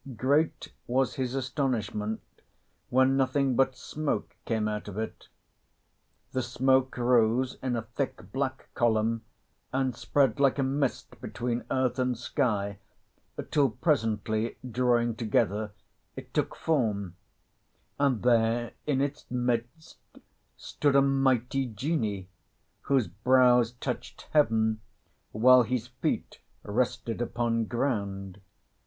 Great was his astonishment when nothing but smoke came out of it. The smoke rose in a thick black column and spread like a mist between earth and sky, till presently, drawing together, it took form; and there in its midst stood a mighty Genie, whose brows touched heaven while his feet rested upon ground.